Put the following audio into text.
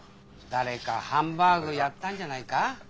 誰かハンバーグやったんじゃないか？